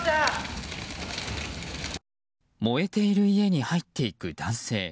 燃えている家に入っていく男性。